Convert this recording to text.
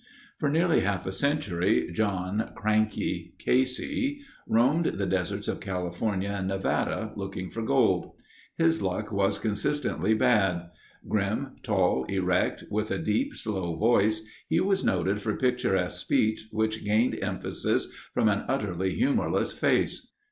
For nearly half a century John (Cranky) Casey roamed the deserts of California and Nevada looking for gold. His luck was consistently bad. Grim, tall, erect, with a deep slow voice, he was noted for picturesque speech which gained emphasis from an utterly humorless face.